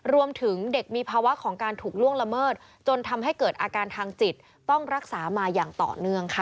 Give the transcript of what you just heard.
รวมถึงเด็กมีภาวะของการถูกล่วงละเมิดจนทำให้เกิดอาการทางจิตต้องรักษามาอย่างต่อเนื่องค่ะ